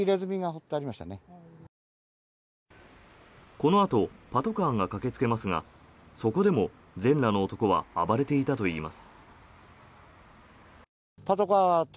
このあとパトカーが駆けつけますがそこでも全裸の男は暴れていたといいます。